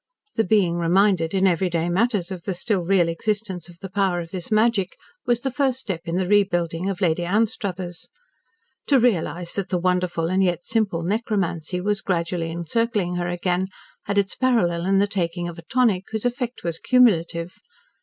The being reminded in every day matters of the still real existence of the power of this magic was the first step in the rebuilding of Lady Anstruthers. To realise that the wonderful and yet simple necromancy was gradually encircling her again, had its parallel in the taking of a tonic, whose effect was cumulative.